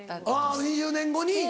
２０年後に。